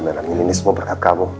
amin amin amin ini semua berkat kamu